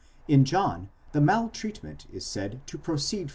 In John the maltreatment is said to proceed 7 Vol.